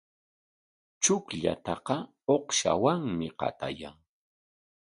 Chukllataqa uqshawanmi qatayan.